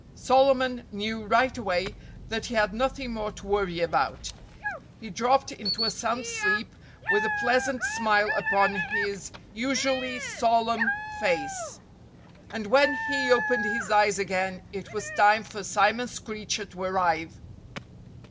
Solomon knew right away that he had nothing more to worry about. He dropped into a sound sleep with a pleasant smile upon his usually solemn face. And when he opened his eyes again it was time for Simon Screecher to arrive.